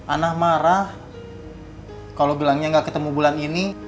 anah marah kalau bilangnya nggak ketemu bulan ini